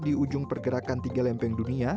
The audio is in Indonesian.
di ujung pergerakan tiga lempeng dunia